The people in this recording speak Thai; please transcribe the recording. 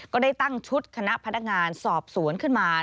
ก็ได้ตั้งชุดคณะพนักงานสอบสวนขึ้นมา